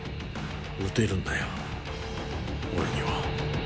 撃てるんだよ俺には言え！